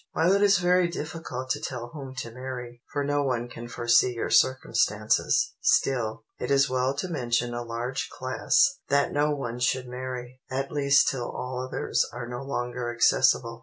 While it is very difficult to tell whom to marry, for no one can foresee your circumstances, still, it is well to mention a large class that no one should marry, at least till all others are no longer accessible.